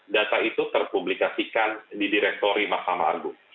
data itu terpublikasikan di direktori mahkamah agung